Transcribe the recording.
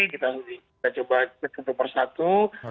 kita coba satu persatu